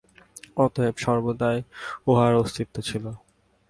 অতএব সর্বদাই উহার অস্তিত্ব ছিল।